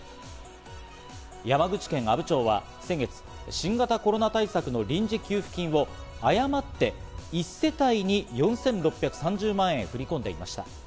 山口県阿武町は先月、新型コロナ対策の臨時給付金を誤って、１世帯に４６３０万円振り込んでいました。